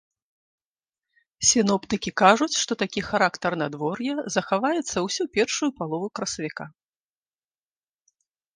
Сіноптыкі кажуць, што такі характар надвор'я захаваецца ўсю першую палову красавіка.